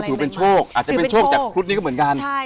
ก็ถือเป็นโชคอาจจะเป็นโชคกับครุฏกเนี่ยก็เหมือนกัน